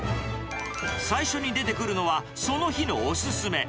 最初に出てくるのは、その日のお勧め。